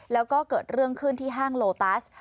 แล้วก็เกิดเรื่องขึ้นที่ห้างโลตัส